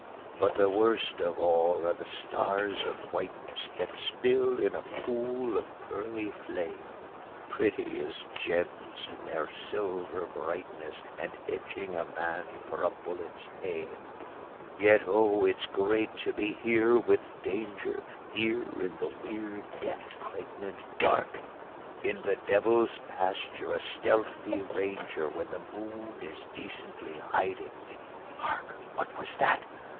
But the worst of all are the stars of whiteness, That spill in a pool of pearly flame, Pretty as gems in their silver brightness, And etching a man for a bullet's aim. Yet oh, it's great to be here with danger, Here in the weird, death pregnant dark, In the devil's pasture a stealthy ranger, When the moon is decently hiding. Hark! What was that?